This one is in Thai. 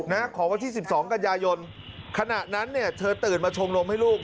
นะของวันที่สิบสองกันยายนขณะนั้นเนี่ยเธอตื่นมาชงนมให้ลูก